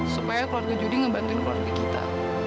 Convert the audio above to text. supaya keluarga judi ngebantuin keluarga kita